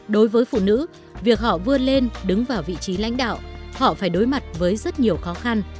đối với phụ nữ việc họ vươn lên đứng vào vị trí lãnh đạo họ phải đối mặt với rất nhiều khó khăn